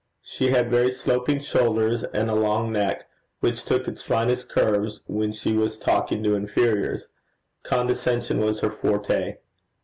She had very sloping shoulders and a long neck, which took its finest curves when she was talking to inferiors: condescension was her forte.